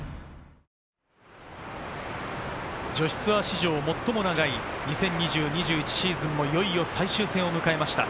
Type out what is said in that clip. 女子ツアー史上最も長い２０２０−２１シーズンもいよいよ最終戦を迎えました。